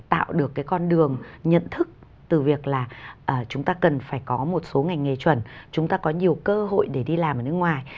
tạo được cái con đường nhận thức từ việc là chúng ta cần phải có một số ngành nghề chuẩn chúng ta có nhiều cơ hội để đi làm ở nước ngoài